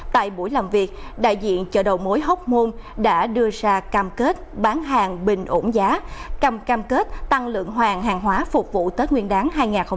tại buổi làm việc đại diện chợ đầu mối hóc môn đã đưa ra cam kết bán hàng bình ổn giá cam cam kết tăng lượng hàng hàng hóa phục vụ tết nguyên đáng hai nghìn hai mươi bốn